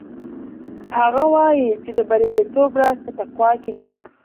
هغه وایي چې د بریالیتوب راز په تقوا کې دی.